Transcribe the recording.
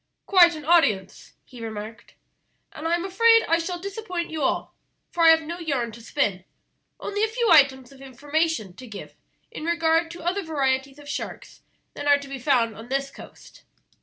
"Quite an audience," he remarked, "and I'm afraid I shall disappoint you all, for I have no yarn to spin, only a few items of information to give in regard to other varieties of sharks than are to be found on this coast.